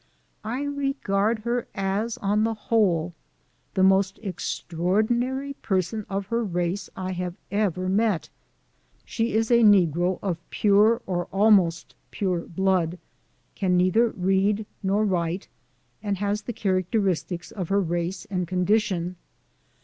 I regard her as, on the whole, the most extraordinary person of her race I have ever met. She is a negro of pure or almost pure blood, can neither read nor write, and has the characteristics of her race and condition.